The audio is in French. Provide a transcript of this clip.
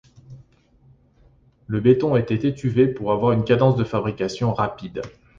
Le béton était étuvé pour avoir une cadence de fabrication rapide.